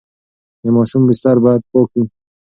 د ماشوم بستر باید پاک وي.